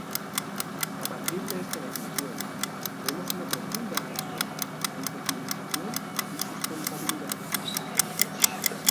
A partir de esta definición, vemos una profunda relación entre civilización y sustentabilidad.